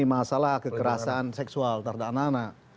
masalah kekerasan seksual terhadap anak anak